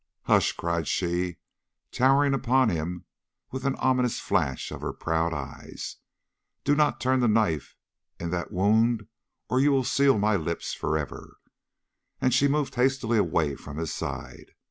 "Hush," cried she, towering upon him with an ominous flash of her proud eye. "Do not turn the knife in that wound or you will seal my lips forever." And she moved hastily away from his side.